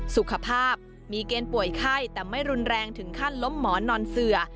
สุขภาพมีเกณฑ์ป่วยไข้แต่ไม่รุนแรงถึงขั้นล้มหมอนนอนเสือ